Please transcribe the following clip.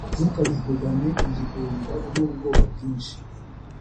ntukayivugane igihunga n’ubwoba bwinshi